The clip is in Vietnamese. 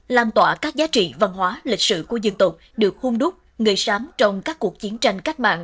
làm tỏa các giá trị văn hóa lịch sử của dân tộc được hung đúc người sám trong các cuộc chiến tranh cách mạng